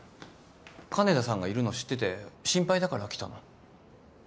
金田さんがいるの知ってて心配だから来たの？